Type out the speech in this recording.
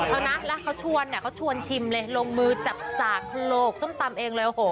เอาแล้วเขาชวนชิมเลยจับจากโรคส้มตำเอง